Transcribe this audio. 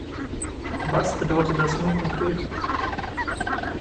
Was bedeutet das nun konkret?